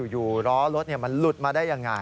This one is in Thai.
อยู่ล้อรถมันหลุดมาได้ยังไง